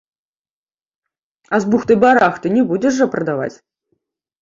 А з бухты-барахты не будзеш жа падаваць!